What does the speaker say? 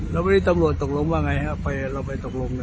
แล้ววันนี้ตำรวจตกลงว่าไงครับเราไปตกลง